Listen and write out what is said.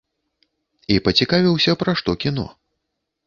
І пацікавіўся, пра што кіно.